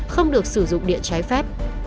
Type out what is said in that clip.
không được sử dụng điện trái phép